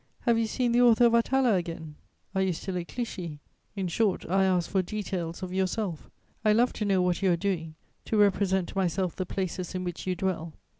Have you seen the author of Atala again? Are you still at Clichy? In short, I ask for details of yourself. I love to know what you are doing, to represent to myself the places in which you dwell.